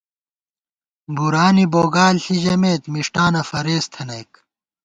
بُرانی بوگال ݪِی ژَمېت ، مِݭٹانہ فرېز تھنَئیک